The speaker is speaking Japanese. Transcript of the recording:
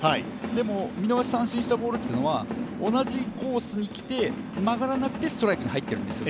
でも見逃し三振したボールというのは同じコースにきて、曲がらなくてストライクに入っていくんです。